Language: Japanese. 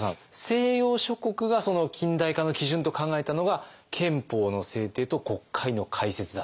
西洋諸国が近代化の基準と考えたのが憲法の制定と国会の開設だった。